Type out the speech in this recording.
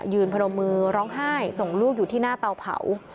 พนมมือร้องไห้ส่งลูกอยู่ที่หน้าเตาเผา